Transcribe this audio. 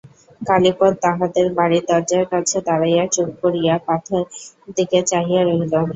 কালীপদ তাহাদের বাড়ির দরজার কাছে দাঁড়াইয়া চুপ করিয়া পথের দিকে চাহিয়া রহিল।